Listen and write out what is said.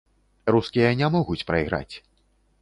Рускія не могуць прайграць.